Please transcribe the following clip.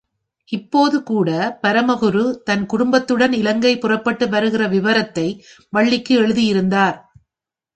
இப்போதுகூட, பரமகுரு தன் குடும்பத்துடன் இலங்கை புறப்பட்டு வருகிற விபரத்தை வள்ளிக்கு எழுதியிருந்தார்.